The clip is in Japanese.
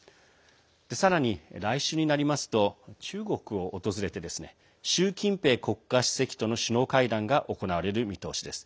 さらに、来週になりますと中国を訪れて習近平国家主席との首脳会談が行われる見通しです。